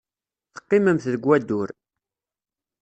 Teqqimemt deg wadur.